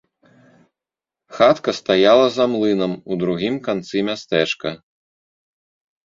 Хатка стаяла за млынам у другім канцы мястэчка.